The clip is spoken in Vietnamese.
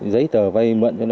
giấy tờ vay mượn